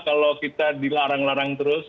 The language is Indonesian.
kalau kita dilarang larang terus